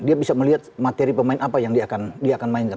dia bisa melihat materi pemain apa yang dia akan mainkan